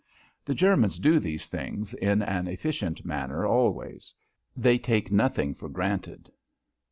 The Germans do these things in an efficient manner always. They take nothing for granted.